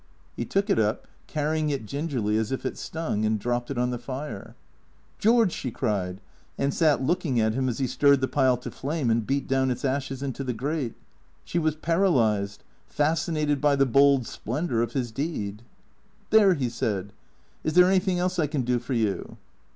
He took it up, carrying it gingerly, as if it stung, and dropped it on the fire. " George " she cried, and sat looking at him as he stirred the pile to flame and beat down its ashes into the grate. She was paralyzed, fascinated by the bold splendour of his deed. " There/' he said. " Is there anything else I can do for you."